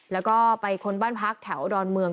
แล้วก็ไปค้นบ้านพักแถวดอนเมือง